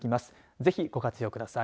ぜひご活用ください。